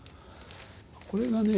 これがね